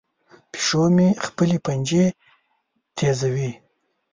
پیشو مې خپلې پنجې تیزوي.